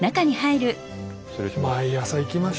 失礼します。